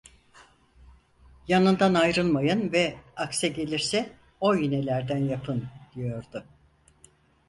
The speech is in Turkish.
"Yanından ayrılmayın ve akse gelirse o iğnelerden yapın" diyordu.